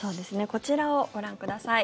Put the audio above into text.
こちらをご覧ください。